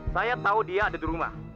saya tahu dia ada di rumah